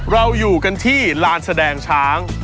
เราอยู่กันที่ลานแสดงช้าง